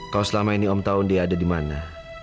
kalau selama ini om tahu dia ada dimana